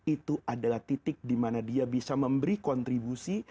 itu adalah titik dimana dia bisa memberi kontribusi